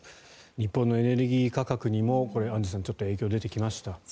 日本のエネルギー価格にもアンジュさん影響が出てきました。